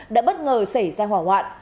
đã bất ngờ xảy ra hỏa hoạn